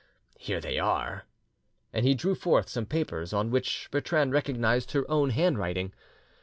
Here they are." And he drew forth some papers, on which Bertrande recognised her own handwriting.